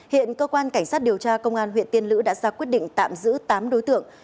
hiện cơ quan cảnh sát điều tra công an huyện tiên lữ đã ra quyết định tạm giữ tám đối tượng